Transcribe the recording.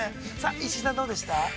石井さん、どうでした？